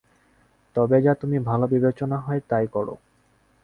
তবে যা তুমি ভালো বিবেচনা হয় তাই করো।